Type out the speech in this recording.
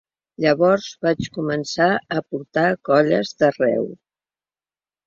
Llavors vaig començar a portar colles d’arreu.